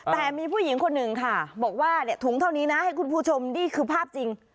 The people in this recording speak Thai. แต่มีผู้หญิงคนหนึ่งค่ะบอกว่าถุงเท่านี้นะให้คุณผู้ชมนี่คือภาพจริง